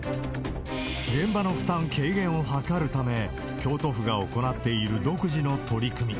現場の負担軽減を図るため、京都府が行っている独自の取り組み。